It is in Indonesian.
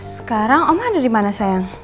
sekarang oma ada dimana sayang